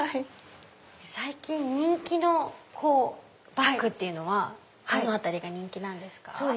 最近人気のバッグっていうのはどの辺りが人気なんですか？